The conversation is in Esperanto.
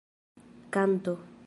kanto